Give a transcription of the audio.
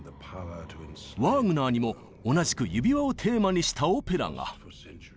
ワーグナーにも同じく「指輪」をテーマにしたオペラが。